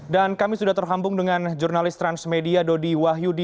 dan kami sudah terhambung dengan jurnalis transmedia dodi wahyudi